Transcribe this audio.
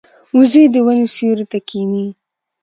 وزې د ونو سیوري ته کیني